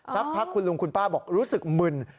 สักพักคุณลุงคุณป้าบอกรู้สึกมึน